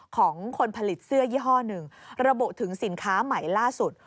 ของคนผลิตเสื้อยี่ห้อหนึ่งระบุถึงสินค้าใหม่ล่าสุด